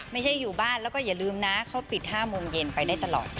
ไม่ใช่อยู่บ้านแล้วก็อย่าลืมนะเขาปิด๕โมงเย็นไปได้ตลอด